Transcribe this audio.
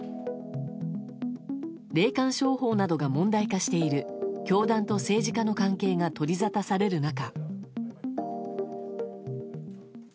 霊感商法などが問題化している教団と政治家の関係が取りざたされる中。